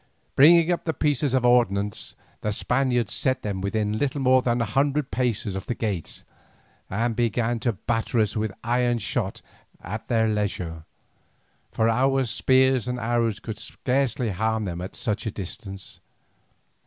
Bringing up their pieces of ordnance, the Spaniards set them within little more than an hundred paces of the gates, and began to batter us with iron shot at their leisure, for our spears and arrows could scarcely harm them at such a distance.